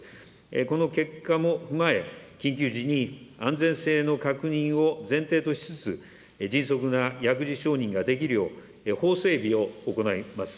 この結果も踏まえ、緊急時に安全性の確認を前提としつつ、迅速な薬事承認ができるよう、法整備を行います。